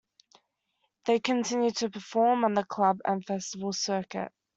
They continue to perform on the club and festival circuit.